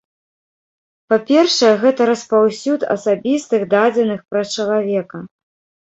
Па-першае, гэта распаўсюд асабістых дадзеных пра чалавека.